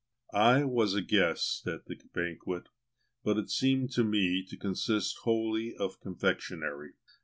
I was a guest at the banquet, but it seemed to me to consist wholly of confectionery.